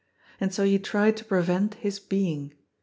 And so you tried to prevent his being.